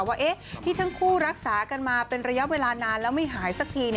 ว่าที่ทั้งคู่รักษากันมาเป็นระยะเวลานานแล้วไม่หายสักที